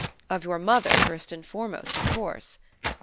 "Of your mother first and foremost of course."